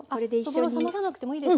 そぼろ冷まさなくてもいいですか？